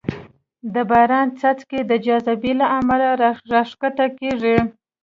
د باران څاڅکې د جاذبې له امله راښکته کېږي.